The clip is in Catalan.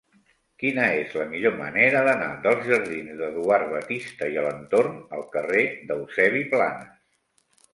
Quina és la millor manera d'anar dels jardins d'Eduard Batiste i Alentorn al carrer d'Eusebi Planas?